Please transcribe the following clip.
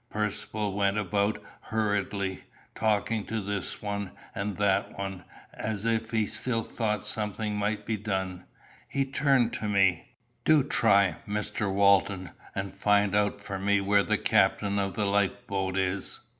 Percivale went about hurriedly, talking to this one and that one, as if he still thought something might be done. He turned to me. "Do try, Mr. Walton, and find out for me where the captain of the life boat is."